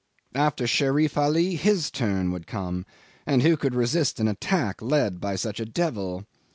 After Sherif Ali his turn would come, and who could resist an attack led by such a devil?